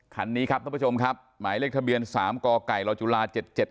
คันนี้ครับท่านผู้ชมครับหมายเลขทะเบียน๓กไก่ลจุฬา๗๗